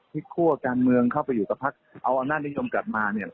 ที่ค่ว่าการเมืองเข้าไปอยู่กับพระภาคนานรนาตนียมกลัดมา